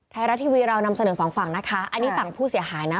ไทยรัฐทีวีเรานำเสนอสองฝั่งนะคะอันนี้ฝั่งผู้เสียหายนะ